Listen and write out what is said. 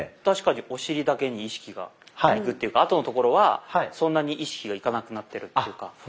確かにお尻だけに意識がいくっていうかあとのところはそんなに意識がいかなくなってるっていうか。